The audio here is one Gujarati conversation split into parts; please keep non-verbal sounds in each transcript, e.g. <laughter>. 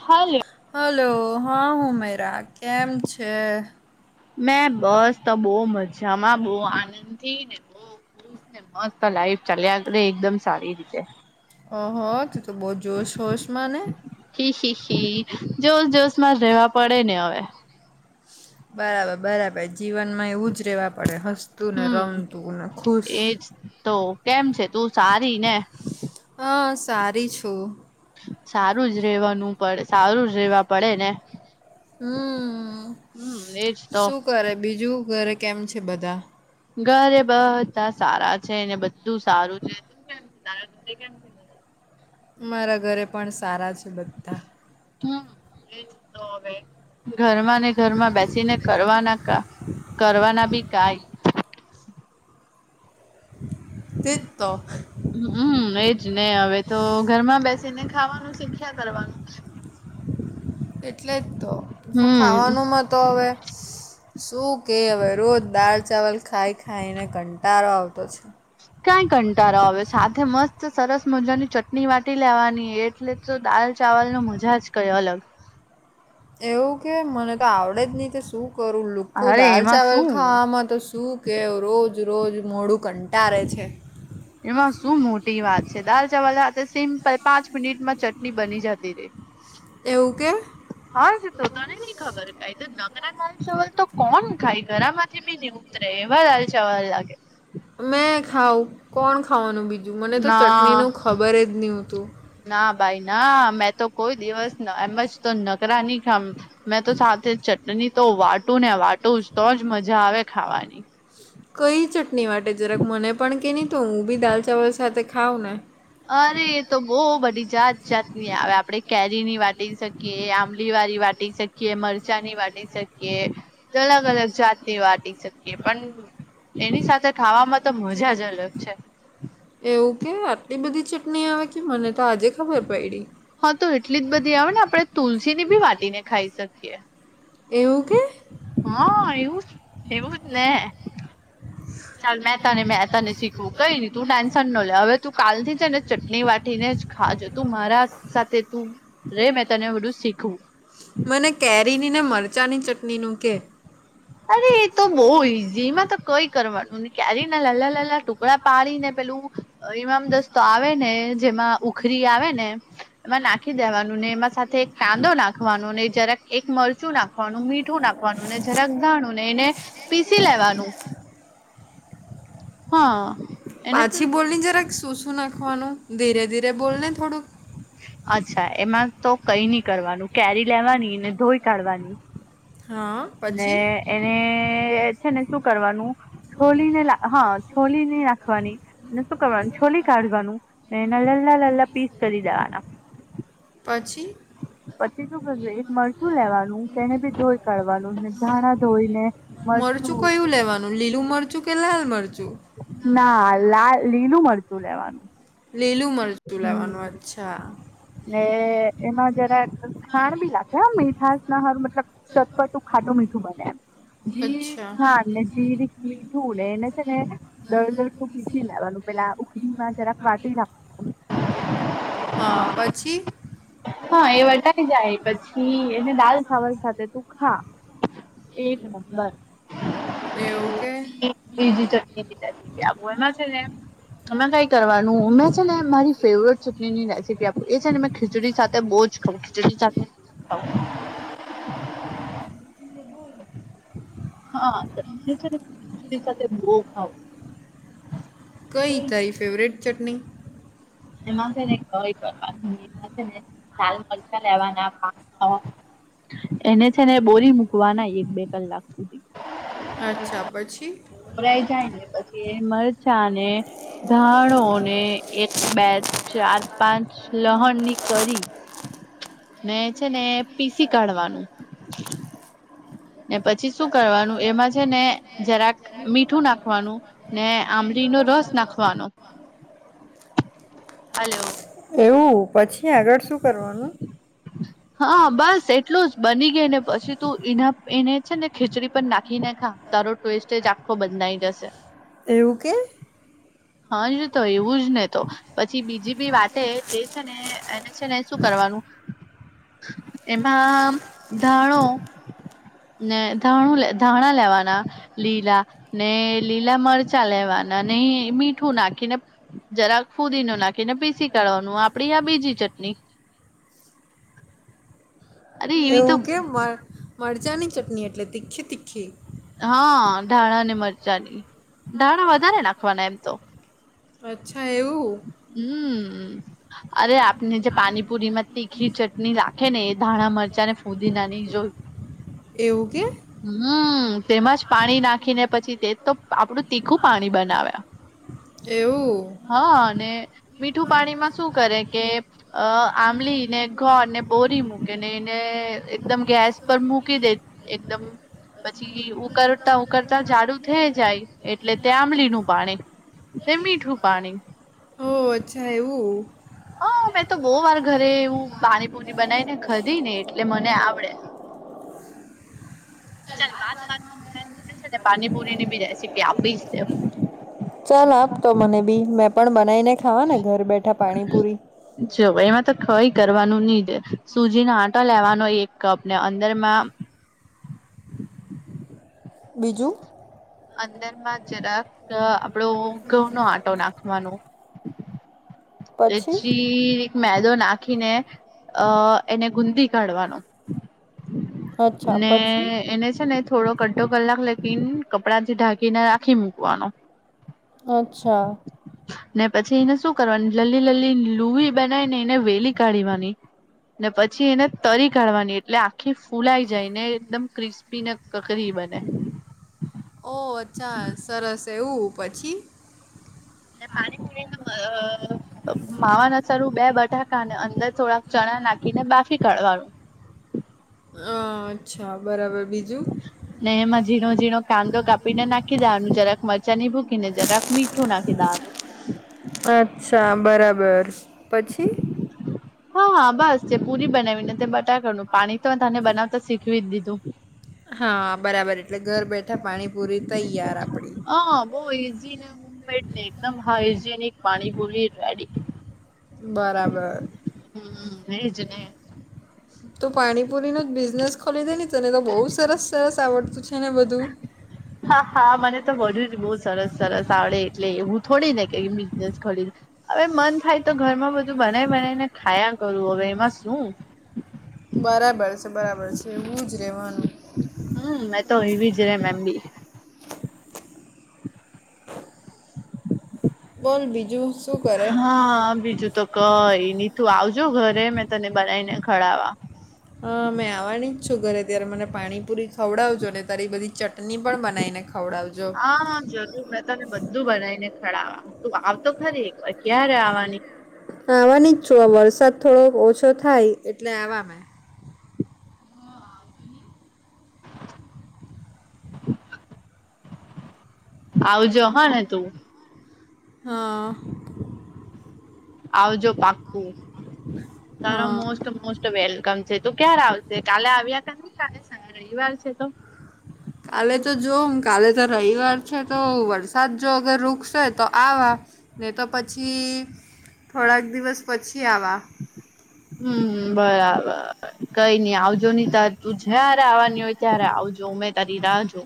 હાલે. હલો હા હુંમેરા કેમ છે? મેં બસ તો બહુ મજામાં બહુ આનંદ થી બહુ મસ્ત લાઈફ ચાલ્યા એકદમ સારી રીતે. ઓહો તો તો બહુ જોશ હોશ મને. હી હી હી જોશ જોશમાં રહેેવા પડે ને હવે. બરાબર બરાબર જીવન માં એવું જ રહેેવા પડે હસતું ને હમ રમતું ને ખુશ. એજ તો કેમ છે તું સારી ને? હા સારી છું. સારું જ રેવાનું પડે સારું જ રેવા પડે ને. હમ હમ્મ એજ તો. શું કરે બીજું ઘરે કેમ છે બધા? ઘરે બધા સારા છે ને બધું સારું તું કેમ છે તારા ઘરે કેમ? છે બધા મારા ઘરે પણ સારા છે બધા. હમ્મ એજ તો હવે ઘરમાં ને ઘરમાં બેસીને કરવા ના કા કરવાના બી કઈ એજ તો હમ્મ એજ ને હવે ઘરમાં બેસીને ખાવાનું શીખ્યા કરવાનું. એટલે જ તો હમ ખાવાનુંમાં તો હવે શું કે હવે રોજ દાલ ચાવલ ખાઈ ખાઈને કંટળો આવતો છે. કઈ કંટારો આવે સાથે મસ્ત સરસ મજાની ચટણી વાટી લેવાની એ એટલે તો દાલ ચાવલ નું મજા જ કયું અલગ એવું કે મને તો આવડે જ નહીં કે શું કરું લુખું અરે દાલ એમાં ચાવલ શું ખાવામાં તો શું કે રોજ રોજ મોડું કંટારેે છે. એમાં શું મોટી વાત છે દાલ ચાવલ સાથે સિમ્પલ પાંચ મિનિટમાં ચટણી બની જતી રે. <inaudible> એવું કે હા જ તો તને નઈ ખબર કઈ તો નગરા દાલ ચાવલ તો કોણ ખાય ઘરા માંથી બી નહી ઉતરે એવા દાલ ચાવલ લાગે. મેં ખાાવ કોણ ખાવાનું બીજું મને તો ના ચટણી નું ખબર જ નહતું. ના ભાઈ ના મેં તો કોઈ દિવસ એમજ તો નકરા નહી ખામ મેં તો સાથે ચટણી તો વાટું ને વાટું જ તો જ મજા આવે ખાવાની. કઈ ચટણી માટે જરાક મને પણ કે નહી તો હું બી દાલ ચાવલ સાથે ખાઉં ને અરે એ તો બોઉ બધી જાત જાતની આવે. આપડે કેરીની વાટી શકીએ આંબલીવાળી વા ટી શકીએ મરચાની વાટી શકીએ. અલગ અલગ જાતની વાટી શક એ પણ એની સાથે ખાવામાં તો મજા જ અલગ છે. એવું કે આટલી બધી ચટણી આવે કે મને તો આજે ખબર પયડી. હા તો એટલી જ બધી આવે ને આપડે તુલસીની બી વાટીને ખાઈ શકીએ. એવું કે? હા એવું જ એવું જ ને. ચાલ મેં તને મેં તને શી ખવુ કઈ ની તું ટેન્શન ન લે. અવે તું કાલથી છે ને ચટણી વાટી ને જ ખાજે તું મારાસ સાથે તું રે મે તને બધું શીખવું. મને કેરીની ને મરચાંની ચટણીનું કે? અરે એ તો બોઉ ઈઝી એમાં તો કઈ કરવાનું ની કેરી ના લલા લલા ટુકડા પાડીને પેલું અ એવામાં દસત તો આવે ને જેમાં ઉખરી આવે ને. એમાં નાખી દેવાનું ને એમાં સાથે એક કાંદો નાખવાનો ને જરાક એક મરચું નાખવાનું મીઠું નાખવાનું. ને જરાક જાણું ને એને પીસી લેવાનું. હા. એને પાછી બોલને જરાક શું શું નાખવાનું ધીરે ધીરે બોલને થોડુંક. અચ્છા એમાં તો કઈની કરવાનું કેરી લેવાની ને ધોઈ કાઢવાની. હા. પછી ને એને છે ને શું કરવાનું છોલીને રા હા છોલીને ની રાખવાની. અને શું કરવાનું છોલી કાઢવાનું. અને એના લલા લલા પીસ કરી દેવાના. પછી. પછી શું કરવું એક મરચું લેવાનું તેને બી ધોઈ કાઢવાનું ધાણા ધોઈને. મરચું. કયું લેવાનું લીલું મરચું કે લાલ મરચું? ના લાલ લીલું મરચું લેવાનું. લીલું મરચું લેવાનું હમ અચ્છા. ને એમાં જરાક ખાણ બી નાખે મીઠાશના હારું મતલબ ચટપટું ખાટું મીઠું બને એમ. જીરીક અચ્છા ખાણ ને જીરીક મિઠુ ને એને છે ને દળદળ તું પીસી લેવાનું પેલા ઉખડીમાં જરાક વાટી રાખવાનું હા પછી પછી હા એ વટાઈ જાય. પછી એને દાલ ચાવલ સાથે તું ખા એક નંબર. એવું કે <unintelligible> ચટણી એમાં છે ને એમાં કઈ કરવા નું મે છે ને મારી ફેવરેટ શબજી એ છે ને મે ખીચડી સાથે બોઉ જ ખાવ. ખીચડી સાથે ખાવ હા ચટણી છે ને ખીચડી સાથે બોઉ ખાવ કઈ તારી ફેવરેટ ચટણી? એમાં છે ને <unintelligible> મરચા લેવાના એને છે ને બોળી મુકવાનાં એક બે કલાક સુધી અચ્છા પછી. દળાય જાય ને પછી મરચાંને ધાણોને બે ચાર પાંચ લહણની કલી ને છે ને. પીસી કાઢવાનું. ને પછી શું કરવાનું એમાં છે ને જરાક મીઠું નાખવાનું. ને આંમળી નો રસ નાખવાનો. હલો. એવું? પછી આગળ શું કરવાનું? હા બસ એટલું જ. બની ગિયું. ને પછી તું એના એને છે ને ખીચડી પણ નાખી ને ખા, તારો ટેસ્ટ એ જ આખો બદલાઈ જશે. એવું કે? હાજ તો એવું જ ને તો. પછી બીજી બી વાટે, તે છે ને એને છે ને શું કરવાનું એમાંમ ધાણો ને ધાણું લે ધાણા લેવાના. લીલા. ને લીલા મરચાં લેવાના ને મીઠું નાખીને જરાક ફૂદીનો નાખીને પીસી કાઢવાનું. આપણી આ બીજી ચટણી. અરે એવી એવું તો કેમ, મ મરચાંની ચટણી એટલે તીખી-તીખી. હા. ધાણા ને મરચાંની. ધાણા વધારે નાખવાના એમ તો. અચ્છા એવું? હમ્મ. અરે આપને જે પાણીપુરી માં તીખી ચટણી રાખે ને એ ધાણા મરચાં ને ફૂદીનાની. જો <inaudible> એવું કે? હમ્મ. તેમાં જ પાણી નાખીને પછી તે જ તો આપણું તીખું પાણી બનાવે. એવું. હ ને મીઠું પાણીમાં શું કરે કે અહ આંબલીને ગોળ ને બોરી મૂકે ને એને એકદમ ગેસ પર મૂકી દે એકદમ પછી ઉકળતા-ઉકળતા જાડું થઈ જાય એટલે તે આંબલીનું પાણી. તે મીઠું પાણી. ઓ અચ્છા એવું. હા. મેં તો બહુ વાર ઘરે એવું પાણીપુરી બનાઈ ને ખધી ને એટલે મને આવડે. ચલ વાતવાતમા મે તને છે ને પાણીપુરી ની બી રેસીપી આપી જ દેવ. ચાલ આપ તો મને બી. મેં પણ બનાઈને ખાવા ને ઘર બેઠા પાણીપુરી. જો એમાં તો કંઈ કરવાનું ની સુજી ના આટા લેવાનો એક કપ ને અંદરમાં બીજું? અંદરમાં જરાક આપણો ઘઉં નો આંટો નાખવાનો. ને પછી જીરીક મેદો નાખીને અહ એને ગુંદી કાઢવાનો. અચ્છા ને પછી એને છે ને થોડો અધો કલાક લગીન, કપડાં થી ઢાંકીને રાખી મૂકવાનો. અચ્છા. ને પછી એને શું કરવાનું, લલી-લલી લુહી બનાઈ ને એને વેલી કાઢીવાની. ને પછી એને તળી કાઢવાની. એટલે આ ખી ફૂલાઈ જાય, ને એકદમ ક્રિસ્પી ને કકરી બને. ઓહ! અચ્છા. સરસ. એવું? પછી? ને પાણીપુરીનો અહ માવાના સારું બે બટાકા ને અંદર થોડાક ચણા નાખીને બાફી કાઢવાનું. અહ અચ્છા. બરાબર. બીજું? ને એમાં ઝીણો-ઝીણો કાંદો કાપીને નાખી દેવાનું, જરાક મરચા ની ભૂકી, ને જરાક મીઠ ઠું નાખી દેવાનું. અચ્છા. બરાબર. પછી? હા બસ. જે પુરી બનાવીને તે બટાકાનું પાણી તો મેં તને બનાવતા શીખવી જ દીધું. હા બરાબર એટલે ઘર બેઠા પાણીપૂરી તૈયાર આપણી. હા બૌ ઈઝી ને હોમમેડ ને એકદમ હાઈજેનિક પાણીપૂરી રેડી. બરાબર <unintelligible> તો પાણીપુરીનો જ બિઝનેસ ખોલી દેને તને તો બહુ સરસ સરસ આવડતું છે ને બધું હા હા મને તો બધું જ બો સરસ સરસ આવડે એટલે એવું થોડી ને કે બિઝનેસ ખોલી હવે મન થાય તો ઘરમાં બધું બનાઈ બનાઈને ખાયા કરું હવે એમાં શું. બરાબર છે બરાબર છે એવું જ રહેવાનું હમ્મ મેં તો એવી જ રેમ એમ બી બોલ બીજું શું કરે હા બીજું તો કઈ ની તું આવજો ઘરે મેં તને બનાઈને ખવડાવા. અ મેં આવવાની જ છું ઘરે ત્યારે મને પાણીપુરી ખવડાવજો ને તારી બધી ચટણી પણ બનાવીને ખવડાવજો <unintelligible> તને બધું બનાઈને ખવડાવા તું આવતો ખરી એક વાર ક્યારે આવવાની આવાની જ છું આ વરસાદ થોડો ઓછો થાય એટલે આવા આવજો હ ને તું હમ્મ આવજો પાક્કું <unintelligible> હા મોસ્ટ વેલકમ છે તું ક્યારે આવશે કાલે આવ્યા કરની શની કાલે રવિવાર છે તો કાલે તો જોમ કાલે તો રવિવાર છે તો વરસાદ જો અગર રૂકશે તો આવા ને તો પછી થોડાક દિવસ પછી આવા હમ્મ હમ્મ બરાબર કઈ નઈ આવજો નહી ત તું જયારે આવવાની હોય ત્યારે આવજો મે તારી રાહ જો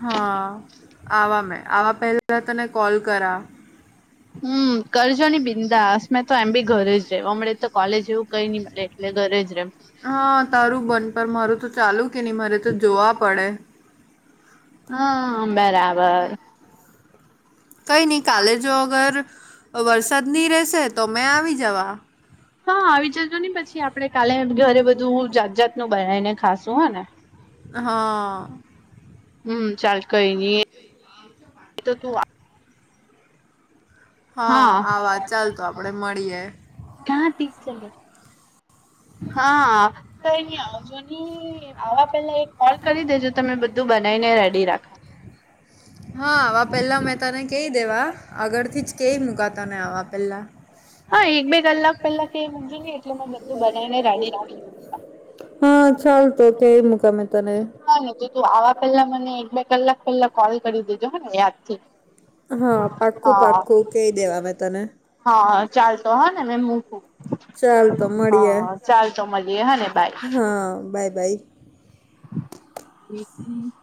હા આવા મેં આવા પહેલા તને કોલ કરા હમ્મ કરજોની બિંદાસ મેં તો એમ બી ઘરે જ રેમ અમણાં તો કોલેજ એવું કઈ ની મળે એટલે ઘરે જ રેમ હા તારું બન પર મારું તો ચાલુ કે નહી મારે તો જોવા પડે હમ્મ બરાબર કંઈ નહીં કાલે જો અગર વરસાદની રહેશે તો મેં આવી જવા હ આવી જજો ની પછી આપડે કાલે ઘરે બધું જાત જાતનું બનાઈને ખાશું હ ને હમ્મ હમ્મ ચાલ કઈ ની <inaudible> હા આવા ચાલ તો આપણેે મળીએ. <unintelligible> હા તો કઈ ની આવજોની આવા પેલા એક કોલ કરી દેજો તો મેં બધું બનાવીને રેડી રાખા. હા આવા પેલા મેં તને કેઈ દેવા આગળ થી જ કેઈ મુકા તને આવા પેલા હા એક બે કલાક પેલા કેઈ મૂકજે ની એટલે મે બધું બનાઈને રેડી રાખી મુકા હ ચાલ તો કેઈ મુકા મે તને હા ને તો તું આવા પેલા મને એક બે કલાક પેલા કોલ કરી દેજો હ ને યાદથી હ પાક્કું પાક્કું કેઈ દેવા મે તને હા ચાલતો હ ને મે મુકુ ચાલ તો હ હ મળીએ ચાલ તો મલીએ હ ને બાઈ હા બાય બાાય <inaudible>